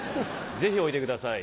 ぜひおいでください